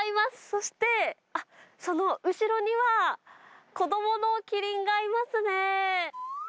そして、あっ、その後ろには、子どものキリンがいますね。